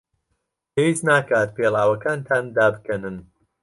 پێویست ناکات پێڵاوەکانتان دابکەنن.